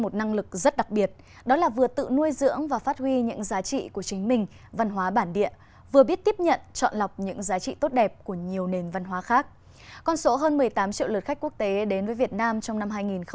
một mươi tám triệu lượt khách quốc tế đến với việt nam trong năm hai nghìn một mươi chín